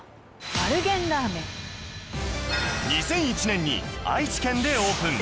２００１年に愛知県でオープン